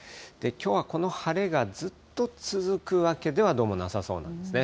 きょうはこの晴れがずっと続くわけでは、どうもなさそうなんですね。